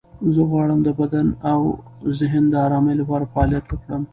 زه غواړم د بدن او ذهن د آرامۍ لپاره فعالیت وکړم.